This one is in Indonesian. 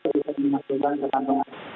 bisa dimaksudkan ke tantangan